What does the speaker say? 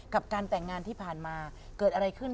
กับการแต่งงานที่ผ่านมาเกิดอะไรขึ้น